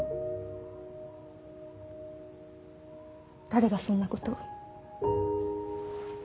誰がそんなことを。